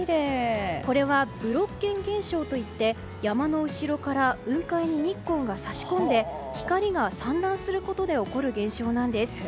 これはブロッケン現象といって山の後ろから雲海に日光が差し込んで光が散乱することで起きる現象なんです。